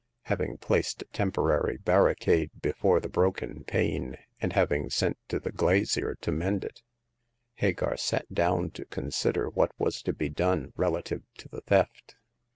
Having placed a temporary barri cade before the broken pane, and having sent for the glazier to mend it, Hagar sat down to consider what was to be done relative to the theft.